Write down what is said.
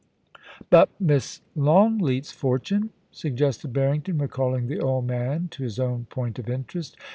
*But, ^iss Longleat*s fortune?' suggested Harrington, recalling the old man to his own point of interest.